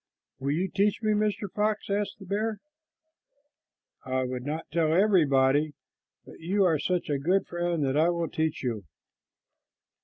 "Will you teach me, Mr. Fox?" asked the bear. "I would not tell everybody, but you are such a good friend that I will teach you.